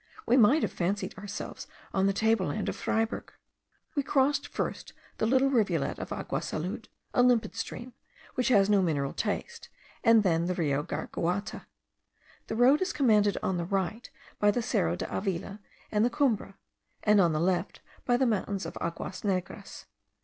We might have fancied ourselves on the table land of Freiberg. We crossed first the little rivulet of Agua Salud, a limpid stream, which has no mineral taste, and then the Rio Garaguata. The road is commanded on the right by the Cerro de Avila and the Cumbre; and on the left, by the mountains of Aguas Negras.